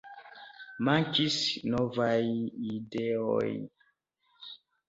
Mankis novaj ideoj.